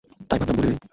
তাই ভাবলাম বলে দিই।